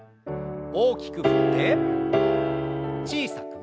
大きく振って小さく。